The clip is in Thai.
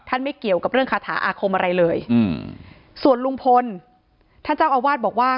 ไม่เกี่ยวกับเรื่องคาถาอาคมอะไรเลยอืมส่วนลุงพลท่านเจ้าอาวาสบอกว่า